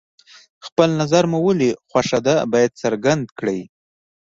خپل نظر مو ولې خوښه ده باید څرګند کړئ.